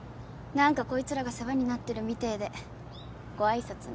なんかこいつらが世話になってるみてえでご挨拶に。